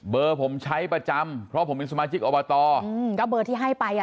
ผมใช้ประจำเพราะผมเป็นสมาชิกอบตอืมก็เบอร์ที่ให้ไปอ่ะ